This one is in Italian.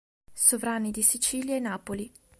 Sovrani di Sicilia e Napoli